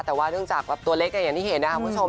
แต่ว่าเนื่องจากตัวเล็กอย่างที่เห็นนะครับคุณผู้ชม